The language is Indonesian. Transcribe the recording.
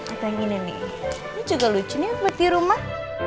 atau gini nih ini juga lucu nih buat di rumah